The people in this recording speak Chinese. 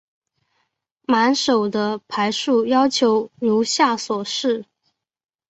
满手的牌数要求如下所示。